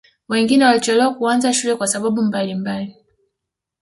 wengine walichelewa kuanza shule kwa sababu mbalimbali